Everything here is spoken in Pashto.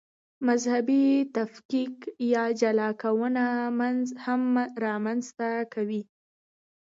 مذهبي تفکیک یا جلاکونه هم رامنځته کوي.